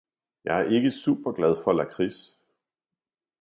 Jeg er ikke super glad for lakrids.